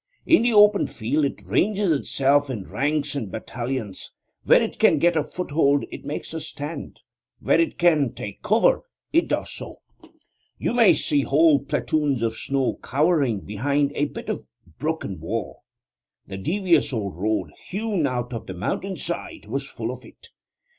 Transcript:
In the open field it ranges itself in ranks and battalions; where it can get a foothold it makes a stand; where it can take cover it does so. You may see whole platoons of snow cowering behind a bit of broken wall. The devious old road, hewn out of the mountainside, was full of it.